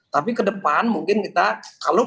tapi ke depan mungkin kita kalau